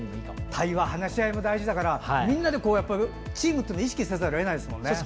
対話、話し合いも大事だから、みんなでチームっていうのを意識せざるを得ないですもんね。